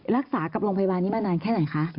รักษากับโรงพยาบาลนี้มานานแค่ไหนคะ